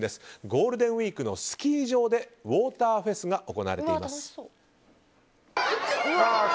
ゴールデンウィークのスキー場でウォーターフェスが行われています。